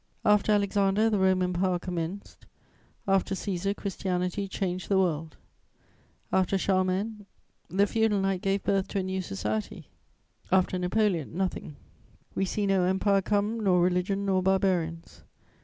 After Alexander, the Roman power commenced; after Cæsar, Christianity changed the world; after Charlemagne, the feudal night gave birth to a new society; after Napoleon, nothing: we see no empire come, nor religion, nor barbarians.